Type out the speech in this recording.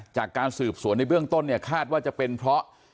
จากการสืบสวนในเบื้องต้นเนี่ยคาดว่าจะเป็นเพราะ